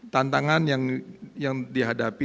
tantangan yang dihadapi